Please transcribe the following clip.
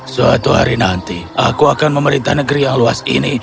suatu hari nanti aku akan memerintah negeri yang luas ini